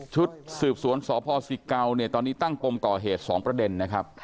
ชุดสืบสวนสพศิเกาเนี่ยตอนนี้ตั้งปมก่อเหตุ๒ประเด็นนะครับ